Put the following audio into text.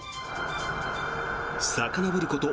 さかのぼること